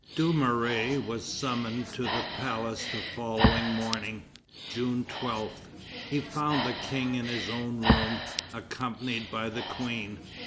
'" Dumouriez was summoned to the palace the following morning, June 12. He found the King in his own room, accompanied by the Queen.